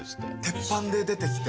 鉄板で出てきて。